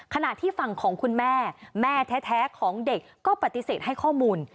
ขณะที่ฝั่งของคุณแม่แม่แท้ของเด็กก็ปฏิเสธให้ข้อมูล